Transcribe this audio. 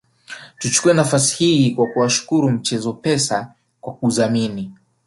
Tuchukue nafasi hii kwa kuwashukuru mchezo Pesa kwa udhamini